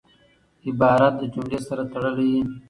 عبارت له جملې سره تړلی يي.